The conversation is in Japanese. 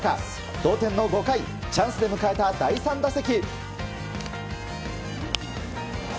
同点の５回チャンスで迎えた第３打席。